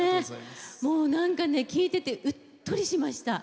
もうなんか、聴いててうっとりしました。